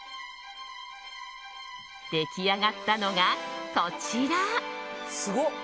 出来上がったのが、こちら。